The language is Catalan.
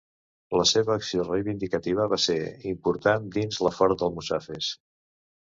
La seva acció reivindicativa va ser important dins la Ford d'Almussafes.